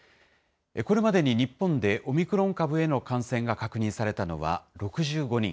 これまでに日本でオミクロン株への感染が確認されたのは６５人。